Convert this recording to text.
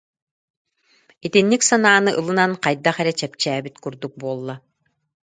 Итинник санааны ылынан хайдах эрэ чэпчээбит курдук буолла